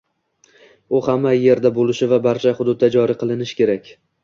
u hamma yerda bo‘lishi va barcha hududda joriy qilinishi kerak.